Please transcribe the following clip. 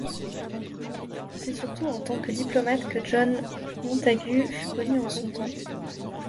C'est surtout en tant que diplomate que John Montagu fut connu en son temps.